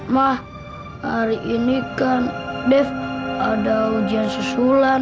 ma hari ini kan dev ada ujian susulan